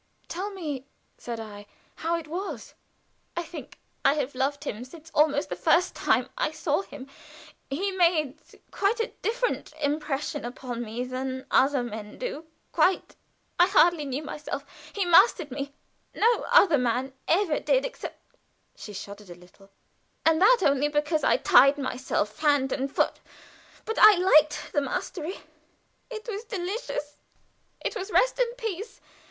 "Tell me," said I, "how it was." "I think I have loved him since almost the first time I saw him he made quite a different impression upon me than other men do quite. I hardly knew myself. He mastered me. No other man ever did except " she shuddered a little, "and that only because I tied myself hand and foot. But I liked the mastery. It was delicious; it was rest and peace.